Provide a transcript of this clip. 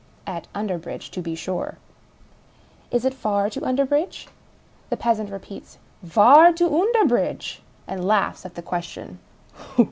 (At Underbridge, to be sure.) " Is it far to Underbridge ?" The peasant repeats, " Var to Oonderbridge ?"— and laughs at the question.